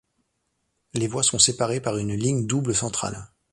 Les voies sont séparées par une ligne double centrale.